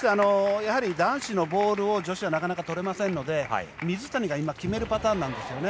男子のボールを女子はなかなかとれませんので水谷が決めるパターンなんですね。